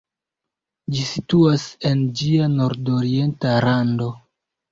Ĝi situas en ĝia nordorienta rando.